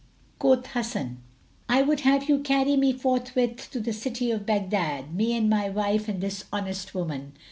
Quoth Hasan, "I would have you carry me forthwith to the city of Baghdad, me and my wife and this honest woman."